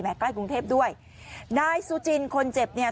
ใกล้กรุงเทพด้วยนายสุจินคนเจ็บเนี่ย